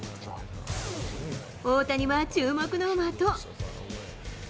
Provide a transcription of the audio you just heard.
大谷は注目の的。